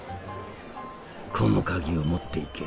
この鍵を持っていけ。